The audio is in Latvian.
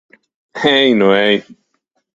Ej nu ej!